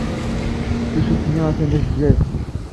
Tusut-inu attan la tettzad.